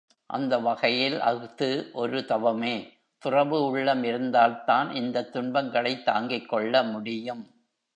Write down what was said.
அந்த வகையில் அஃது ஒரு தவமே துறவு உள்ளம் இருந்தால்தான் இந்தத் துன்பங்களைத் தாங்கிக் கொள்ள முடியும்.